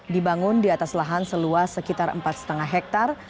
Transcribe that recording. dibangun di atas lahan seluas sekitar empat lima hektare